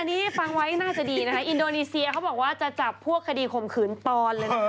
อันนี้ฟังไว้น่าจะดีนะคะอินโดนีเซียเขาบอกว่าจะจับพวกคดีข่มขืนตอนเลยนะ